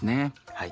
はい。